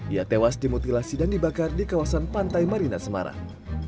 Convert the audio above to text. ia tewas dimutilasi dan dibakar di kawasan pantai marina semarang